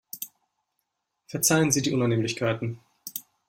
Verzeihen Sie die Unannehmlichkeiten.